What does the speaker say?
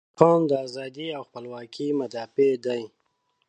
• دا قوم د ازادۍ او خپلواکۍ مدافع دی.